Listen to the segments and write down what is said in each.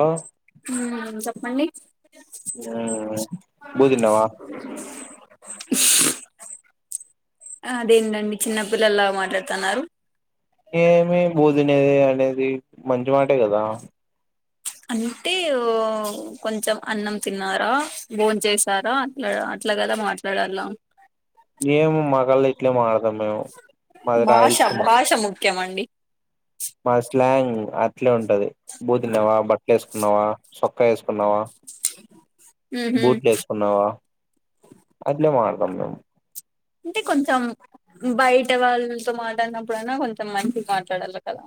ఆ ఉమ్ చెప్పండి ఉమ్ బువ్ తిన్నవా అదేందండి చిన్నపిల్లలాగ మాట్లాడుతున్నారు ఏమె బోజీన అనేది మంచి మాటే కదా అంటే ఆ కొంచెం అన్నం తిన్నారా భోన్చేసారా అట్లా అట్లాగదా మట్ ట్లాడాల ఏమో మా కళ్ళ ఇట్లే మాట్లడతాం మేము మాది రాయల్సీమా యాస ముఖ్యమండి మా స్లాంగ్ అట్లే ఉంటది బూ తినవా బట్టలు వేసుకున్నావా సొక్కా వేసుకున్నావా మ్మ్ హ్మ్ బూట్లేసుకున్నావా అట్లే మాట్లడతాం మేము అంటే కొంచెం బయట వాళ్ళతో మాట్లాడినప్పుడనా కొంచెం మంచిగా మాట్లాడాలి కదా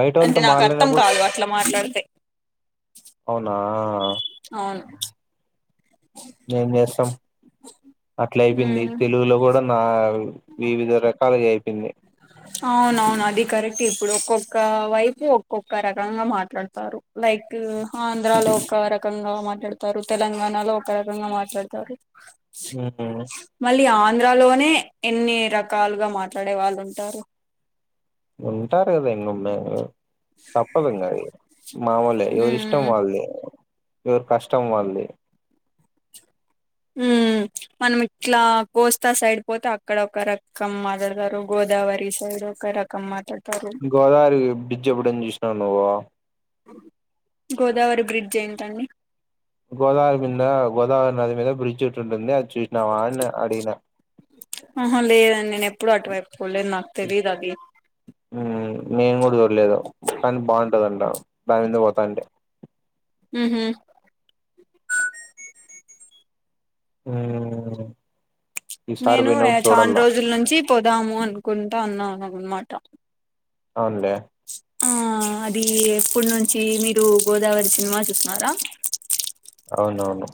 బయట అంటే వాళ్ళతో నాకు అర్థం మాట్లాడినప్పుడు కాదు అట్లా మాట్లాడితే అవునా అవును ఏం చేస్తాం అట్లా అయిపోయింది మ్మ్ తెలుగులో కూడా మా వివిధ రకాలగయిపోయింది అవునవును అది కరెక్ట్ ఇప్పుడు ఒక్కొక్క వైపు ఒక్కొక్క రకంగా మాట్లాడతారు లైక్ ఆంధ్రాలో ఒక రకంగా మాట్లాడుతారు తెలంగాణలో ఒక రకంగా మాట్లాడుతారు ఉహు మళ్ళీ ఆంధ్రాలోనే ఎన్ని రకాలుగా మాట్లాడే వాళ్ళు ఉంటారు ఉంటారు కదా ఇన్నొమ్మే తప్పదు ఇంగ అది మామూలే ఎవరి ఇష్టం ఉమ్ వాళ్దే ఎవరి కష్టం వాళ్దే ఉమ్ మనం ఇట్లా కోస్తా సైడ్ పోతే అక్కడ ఒక రకం మాట్లాడుతారు గోదావరి సైడ్ ఒక ర కంమాట్లాడ గోదావరి బ్రిడ్జ్ ఎప్పుడయిన చూసినావ నువ్వు గోదావరి బ్రిడ్జ్ ఏంటండి గోదావరి మీద గోదావరి నది మీద బ్రిడ్జ్ ఒకట్టి ఉంటుంది అది చూసినవా అని అడిగిన ఆహా లేదండి నేను ఎప్పుడూ అటువైపుపోలేదు నాకు తెలీదు అవి ఉమ్ నేను కూడా చూడలేదు కానీ బాగుంటదంట దానిది పోతాంటే ఉహు ఉమ్ నేను చాన్రోజుల నుంచి పోదాము అనుకుంటా అన్నాను అనమాట అవునులే ఆ అది ఎప్పుడు నుంచి మీరు గోదావరి సినిమా చూసీన్నారా అవునవును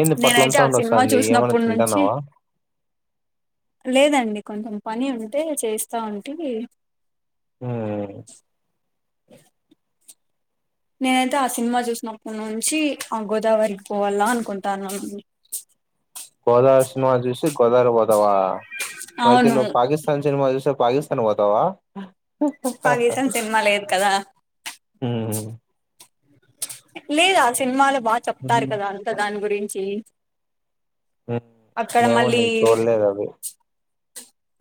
ఏంది పోట్లం నేనైతే ఆ సౌండ్ సినిమా వస్థాంది ఏమన్నా చూసినప్పటి నుంచి తింటాన్నావా లేదండి కొంచెం పని ఉంటే చేస్తా ఉంటే ఉ నేనైతే ఆ సినిమా చూసినప్పటి నుంచి ఆ గోదావరికి పోవాలా అనుకుంటాన్నం గోదావరి సినిమా చూసి గోదావరి పోతావా అయితే అవును నువ్వు పాకిస్తాన్ సినిమా చూస్తే పాకిస్తాన్ పోతవా కాళేశం సినిమా లేదు కదా ఉ లేదా ఆ సినిమాలో బాగా చెప్తారు మ్మ్ కదా అంత దాని గురించి అక్కడ ఏమో మళ్ళీ నేను చూలేదు అది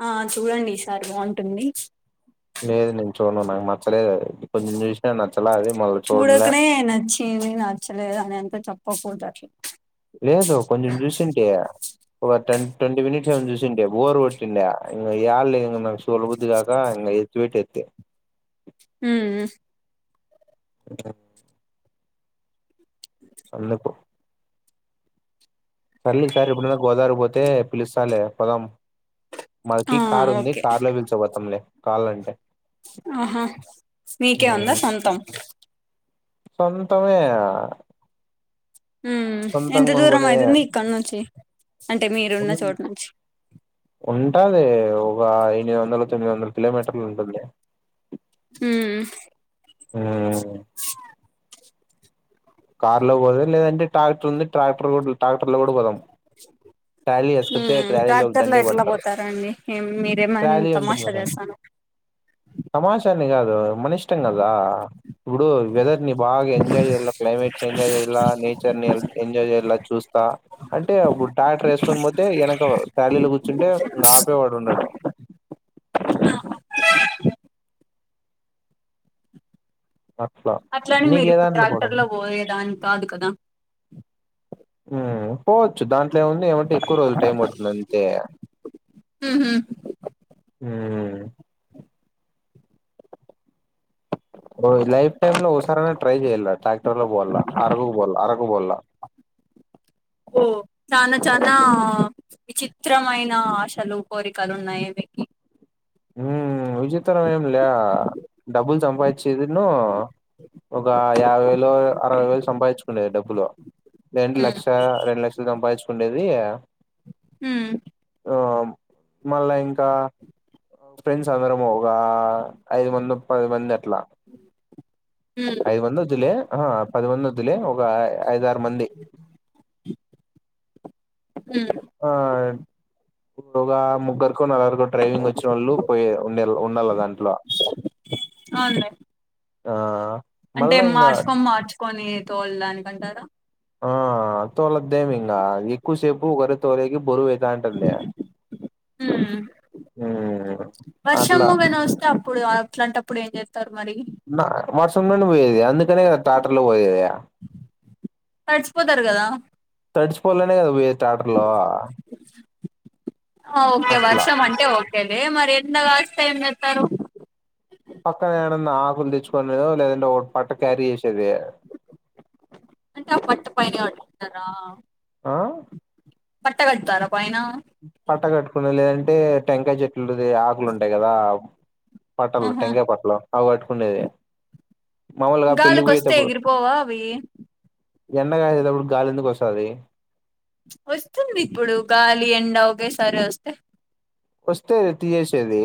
ఆ చూడండి ఈ సారి బాగుంటుంది లేదు నేను చూడను నాకు నచ్చలేదు అది కొంచెం చూసిన నచ్చలే అది మళ్ళీ చూడలే ఏ నచ్చి టీవీ నచ్చలేదు అని అంత చెప్పకూడదు అట్ల లేదు కొంచెం చూసుంటి ఒక టెన్ ట్వంటీ మినిట్స్ ఏమో చూసుండే బోర్ కొట్టిండే ఇంగయాలి నాకు సూడ బుద్ధి కాక ఇంగ చోటద్దే హు ఉమ్ అ అందుకు సర్లే సరి ఎప్పుడైనా గోదవరి పోతే పిలుస్తాలే పోదం ఆ మాకి కార్ ఉంది ఓకే కార్ లో పిలిచపోతాంలే కాల్ అంటే ఆహా మీకే ఉందా ఉమ్, సొంతం సొంతమే ఉమ్ ఎంత సొంతంగా దూరం కొనుకునే అయితుంది ఇక్కడ్ నుంచి అంటే మీరున్న చోటు నుంచి ఉంటాది ఒక ఎనిమిది వందల తొమ్మిది వందల కిలోమీటర్లు ఉంటుంది ఉమ్ ఉ కార్ లో పోదా లేదంటే ట్రాక్టర్ ఉంది ట్రాక్టర్ కూడా ట్రాక్టర్ లో కూడా పోదాం ట్రాలీ వేసుకతే ఉమ్ ట్రాలీలో ట్రాక్టర్లో దండిగ ఎట్లా పడతారు పోతారండి మీరేమైనా తమాషా చేస్తారు తమాషా అని గాదు మనిష్టం గదా ఇప్పుడు వెదర్ ని బాగా ఎంజాయ్ చేయ్యాల క్లైమేట్ ని ఎంజాయ్ చేయాల నేచర్ ని ఎంజాయ్ చేయలా చూస్తా అంటే అప్పుడు ట్రాక్టర్ వేసుకొని పోతే వెనక ట్రాలీలా కూర్చుంటే ఇంగ ఆపేవాడు ఉండడు అట్లా అట్లని నీకు మీరు ఏ ఇప్పుడు దాంట్లో పోవడం ట్రాక్టర్ లో పోయేదాని కాదు కదా ఉమ్ పోవచ్చు దాంట్లో ఏముంది ఏమంటే ఎక్కువ రోజులు టైం పడుతుంది అంతే ఉహు ఉమ్ లైఫ్ టైమ్ లో ఒసారన్న ట్రై చేయలా ట్రాక్టర్ లో పోవాల అరకు పోవాల అరకు పోవల హు చానా చానా విచిత్రమైన ఆశలు కోరికలు ఉన్నాయే మీక్ ఉమ్ విచిత్రం ఏం లే డబ్బులు సంపాదించేదిన్ను ఒక యాభై వేలు అరవై వేలు సంపాదించుకునేది డబ్బులు లేదంటే ఉమ్ లక్ష రెండు లక్షలు సంపాదించుకుండేది హుమ్ ఆ మళ్ళా ఇంకా ఫ్రెండ్స్ అందరము ఒగా ఐదు మంది పది మంది అట్లా ఉమ్ ఐదు మంది వద్దులే ఆహా పది మంది వద్దులే ఒక ఐద ఆరు మంది హుమ్ ఆ ఓగా ముగ్గురికో నలుగురికో డ్రైవింగ్ వచ్చినోళ్ళు పోయ ఉండే ఉండాల దాంట్లో అవున్లే ఆ అంటే మళ్ళా ఇంగ మార్చుకోని మార్చుకొని తోల్డానికి అంటారా ఆ తోలద్దేమి ఇంగా ఎక్కువసేపు ఒకరే తోలేకి బరువయితాంటంది ఉమ్ ఉమ్ అట్లా వర్షమూ వెళ్ళొస్తాం ఇప్పుడు అట్లాంటప్పుడు ఏం చేస్తారు మరి న వర్షం నుండి పోయేది అందుకనే కదా టాటర్ల పోయేది తడిచిపోతరు గదా తడిచిపోవలనే కదా పోయేది ట్రాక్టర్లో ఓకే అట్లా వర్షం అంటే ఓకేలే మరి ఇంట్ల తడిస్తె ఏం జేత్తరు పక్కనేేరన్న ఆకులు తెచ్చుకునే లేదంట ఓ పట్టా క్యారీ చేసేది అంటే ఆ పట్ట పైన కట్టుకుంటారా ఆ పట్ట కడతారా పైన పట్టె కట్టుకునే లేదంటే టెంకాయ చెట్లుది ఆకులు ఉంటాయి కదా పట్టలు ఆహా టెంకాయ పట్టలు అవి పట్టుకునేది మామూలుగా పెళ్లికి గాలికి వస్తే పోయేతప్పుడు ఎగిరిపోవా అవి ఎండగాయసేటప్పుడు గాలి ఎందుకు వస్తాది వస్తుందిప్పుడు గాలి ఎండ ఒకే సారొస్తే వస్తే తీయేసేసేది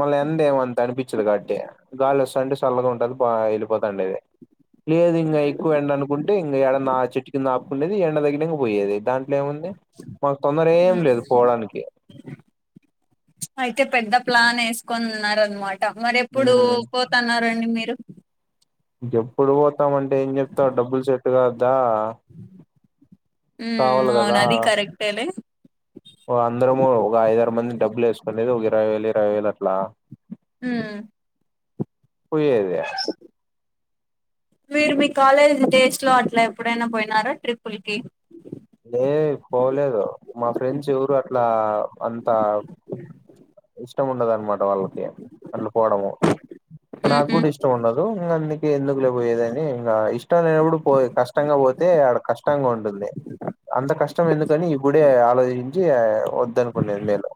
మల్ల ఎండ ఏమంత అనిపించదు కాబట్టి గాలి వస్తాంటే చల్లగా ఉంటది బాగా వెళ్ళిపోతండి లేదు ఇంగ ఎక్కువ ఎండ అనుకుంటే ఇంకా ఎడ నా చెట్టు కింద ఆపుకునేది ఎండ తగ్గినంక పోయేది దాన్ దాంట్లో ఏముంది మాకు తొందర ఏం హ్మ్. లేదు పోవడానికి అయితే పెద్ద ప్లాన్ వేసుకొనున్నారనమాట మరెప్పుడు మ్మ్ పోతున్నారండి మీరు ఎప్పుడు పోతామంటే ఏం చెప్తావు డబ్బులు సెట్ కావద్దా ఉమ్ అవునది కరెక్టే లే అందరము ఒక ఐదరు మంది డబ్బులు వేసుకునేది ఒక ఇరవై వేలు ఇరవై వేలు అట్లా ఉమ్ పోయేది మీరు మీ కాలేజ్ డేస్ లో అట్లా ఎప్పుడైనా పోయినారా ట్రిప్పుల్ కి లే పోలేదు మా ఫ్రెండ్స్ ఎవరు అట్లా అంత ఇష్టముడదఅన్నమాట వాళ్ళకి అట్ల పోవడము ఊహూ నాగూడా ఇష్ ఇష్టం ఉండదు ఇంక అందుకే ఎందుకు లేపోయేదని ఇంకా ఇష్టం లేనప్పుడు పో కష్టంగా పోతే ఆడ కష్ట కష్టంగా ఉంటుంది అంత కష్టం ఎందుకని ఇప్పుడే ఆలోచించి ఆ వద్దనుకునేది నేను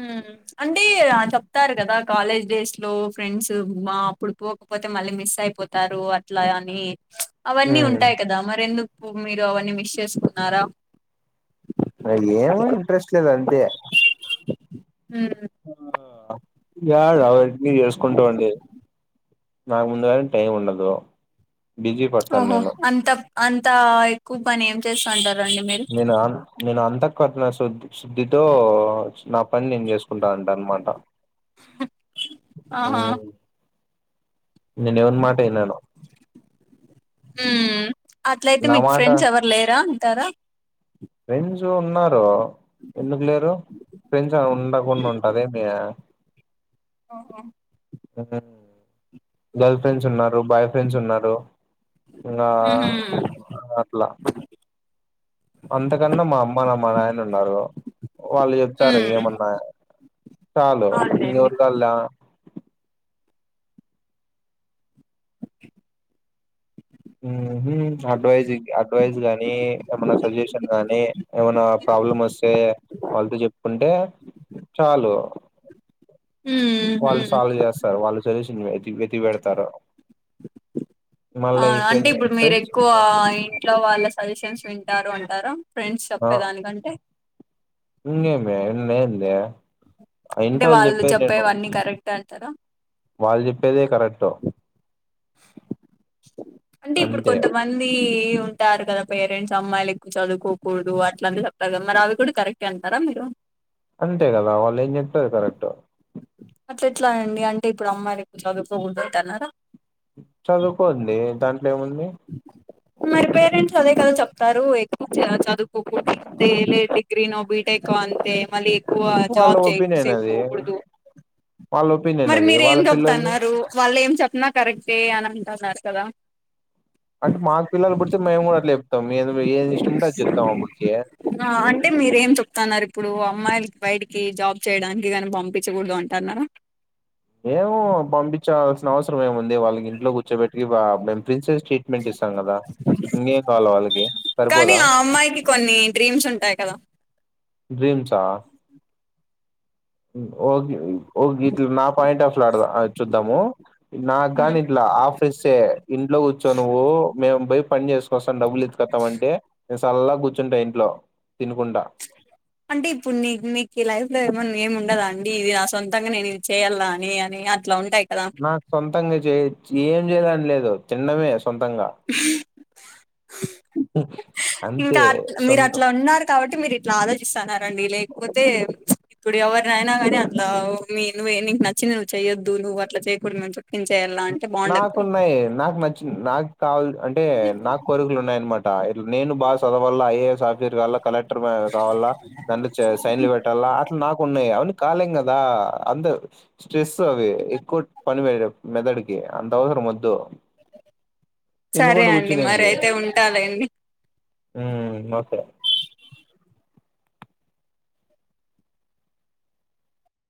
ఉమ్ అంటే ఆ చెప్తారు కదా కాలేజ్ డేస్ లో ఫ్రెండ్స్ అప్పుడు పోకపోతే మళ్ళీ మిస్ అయిపో తారూ అట్లా అని అవన్నీ ఉమ్ ఉంటాయి కదా మరెందుకు మీరు అవన్నీ మిస్ చేసుకున్నారా అ యేమో ఇంట్రెస్ట్ లేదంతే హుమ్ యాడ అవన్నీ చేసుకుంటా ఉండేది నాకు ముందు గానే టైం ఉండదు బిజీ పడతాను ఓహో నేను అంత అంత ఎక్కువ పని ఏం చేస్తంటారండి మీరు నేనా నేను అంతఃకరణ శుద్ శుద్ధితో నా పని నేను చేసుకుంటా ఉంటా అన్నమాట ఆహా నేను ఎవని మాట ఇనను ఊమ్ అట్లయితే నా మీకు మాట ఫ్రెండ్స్ ఎవరు లేరా ఉంటారా ఫ్రెండ్స్ ఉన్నారు ఎందుకు లేరు ఫ్రెండ్స్ ఏమన్నా ఉండకుండా ఉంటద ఏమి ఓహో ఓహో గర్ల్ ఫ్రెండ్స్ ఉన్నారు బాయ్ ఫ్రెండ్స్ ఉన్నారు ఆ ఊహూ అట్లా అంతకన్నా మా అమ్మ నాన్నా ఉన్నారు వాళ్ళు చెప్తారు హ్మ్ ఏమన్నా చాలు ఇంక అవునులేండి చెప్పల్లా ఊహు ఇంకా అడ్వైస్ అడ్వైస్ గానీ ఏమన్నా సజెస్షన్ గాని ఏమన్నా ప్రాబ్లమ్ వస్తే వాళ్ళతో చెప్పుకుంటే చాలు హ్మ్ వాళ్ళు హ్మ్ సాల్వ్ చేస్తారు వాళ్ళు సజెస్షన్ వెతికి పెడతారు ఆ మళ్ళీ అంటే ఫ్రెండ్స్ ఇప్పుడు ఫ్రెండ్స్ మీరెక్కువ ఇంట్లో వాళ్ళ సజెషన్స్ వింటారు అంటారు ఫ్రెండ్స్ చెప్పే దానికంటే ఇంకేమి ఇందేంది అంటే వాళ్ళు చెప్పేవన్నీ కరెక్ట్ అంటారా వాళ్ళు చెప్పేదే కరెక్ట్ అంటే ఇప్పుడు అంతే కొంత మంది ఉంటారు కదా పేరెంట్స్ అమ్మాయిలు ఎక్కువ చదువుకోకూడదు అట్లాంటి అవి కూడా కరెక్ట్ అంటారా మీరు అంతే కదా వాళ్ళు ఏం చెప్తారు కరెక్ట్ అట్ల ఎట్లా అండి అంటే ఇప్పుడు అమ్మాయి చదువుకోక ఉంటాన్నారా చదువుకోండి దాంట్లో ఏముంది మరి పేరెంట్స్ అదే కదా చెప్తారు ఎక్కువ చదువుకోకు లే డిగ్రీ నో బి టేక్ అంతే మళ్ళీ ఎక్కువ వాళ్ళ జాబ్ ఒపీనియన్ అది చేపోకూడదు వాళ్ళ ఒపీనియన్ మరి అది మీరు వాళ్ళ ఏం పిల్లల్ని చెప్తన్నారు వాళ్ళు ఏం చెప్పినా కరెక్టే అనంటాన్నారు కదా అంటే మాకు పిల్లలు పుడితే మేము కూడా అట్లా చెప్తాం ఏ ఏది ఇష్టం ఉంటే అది చెప్తాం అప్పటికి ఆ అంటే మీరేం చెప్తున్నారు ఇప్పుడు అమ్మాయిలు బయటికి జాబ్ చేయడానికి కానీ పంపించకూడదు అంటన్నారా ఏమో పంపించాల్సిన అవసరం ఏముంది వాళ్ళకి ఇంట్లో కూర్చోబెట్టికి మేము ప్రిన్సెస్ మెంట్ ఇస్తాం గదా ఇంకేం కావాల్ల వాళ్ళకి కానీ సరిపోదా ఆ అమ్మాయికి కొన్ని డ్రీమ్స్ ఉంటాయి కదా డ్రీమ్స్ ఆ ఓకే ఓకే ఇట్లా నా పాయింట్ ఆఫ్ ట్లాడ చూద్దాము నాకు హ్మ్. గాని ఇట్లా ఆఫ్ ఇస్తే ఇంట్లో కూర్చో నువ్వు మేము పోయి పని చేసుకొస్తాం డబ్బులు తీసుకోత్తామంటే నేను సల్లగా కూర్చుంటా ఇంట్లో తినుకుంటా అంటే ఇప్పుడు నీ నీకు ఈ లైఫ్ లో ఏమన్నా ఏమి ఉండదా అండి ఇది నా సొంతంగా నేను ఇది చేయాల్లా అని అని ఇట్లా ఉంటాయి కదా నా సొంతంగా చేయచ్చు ఏం చేయళ్ళని లేదు తినడమే సొంతంగా హ హ్మ్ హు ఇంకా అట్లా మీరు అట్లా ఉన్నారు కాబట్టి మీరు ఇట్లా ఆలోచిస్తాన్నారండి లేకపోతే ఇప్పుడు ఎవరిన అయినా కానీ అట్లా మీ నువ్వు నీకు నచ్చింది నువ్వు చేయొద్దు నువ్వు అట్లా చేయకూడదు ఏం చేయాల్లా నాకున్నాయి నాకు నచ్చి నాకు కావాల అంటే నాకు కోరికలు ఉన్నాయనమాట ఇలా నేను బాగా చదవల్ల ఐఎస్ సాఫ్ట్ వేర్ కావాల్లా కలెక్టర్ కావాల్లా దాంట్లో సైన్లు పెట్టాలా అట్లా నాకు ఉన్నాయి అవన్నీ కాలేం కదా అంత స్ట్రెస్ అవి ఎక్కువ పని వయ మెదడుకి అంత అవసర మొద్దు సరే అండి మర కూర్చునేకి అయితే ఉంటాలే మ్మ్ మసే